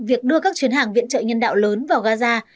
việc đưa các chuyến hàng viện trợ nhân đạo lớn vào gaza